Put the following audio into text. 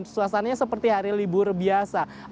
suasananya seperti hari libur biasa